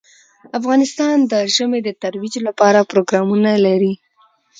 افغانستان د ژمی د ترویج لپاره پروګرامونه لري.